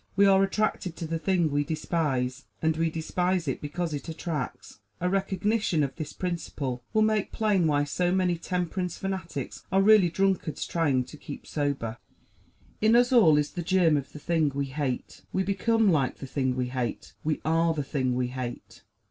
We are attracted to the thing we despise; and we despise it because it attracts. A recognition of this principle will make plain why so many temperance fanatics are really drunkards trying hard to keep sober. In us all is the germ of the thing we hate; we become like the thing we hate; we are the thing we hate.